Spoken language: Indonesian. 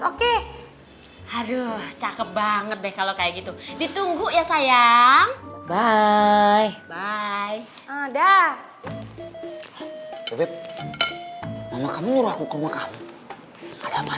oke aduh cake banget deh kalau kayak gitu ditunggu ya sayang byada